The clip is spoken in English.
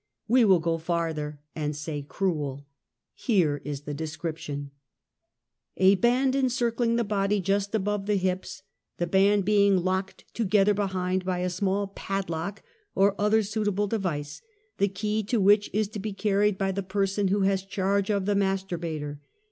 AYe will 2;o farther and say crueL Here is the description : "A band encircling the body just above the hips, the band being locked together behind by a small p)adlock, or other suitable device, the key to which is to be carried by the person who has charge of the masturbator.